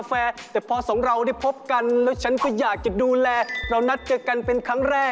ผมเป็นคนภาคอิสานผมร้องลูกทุ่งครับ